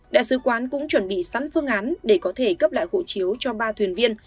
đại sứ quán cũng chuẩn bị sẵn phương án để có thể cấp lại hộ chiếu cho ba thuyền viên